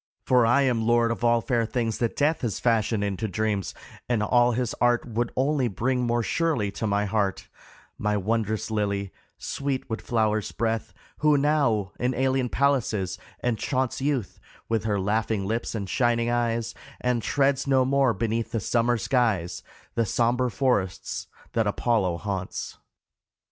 For I am lord of all fair things that Death Has fashioned into dreams, and all his art Would only bring more surely to my heart My wondrous Lily, sweet with flowers' breath, Who now, in alien palaces, enchaunts Youth, with her laughing lips and shining eyes, And treads no more beneath the summer skies The sombre forests that Apollo haunts.